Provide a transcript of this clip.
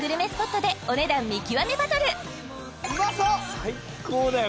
最高だよ